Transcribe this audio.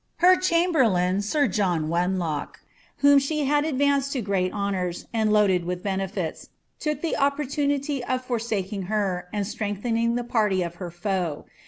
* Her chamberlain, sir John Wenlock, whom she had advanced to great honours, and loade<l with benefits, took that opportunity of forsaking her, and strengthening the party of her foe.